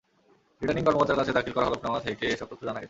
Returning কর্মকর্তার কাছে দাখিল করা হলফনামা থেকে এসব তথ্য জানা গেছে।